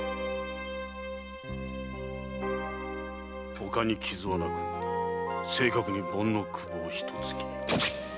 他に傷はなく正確に盆の窪をひと突き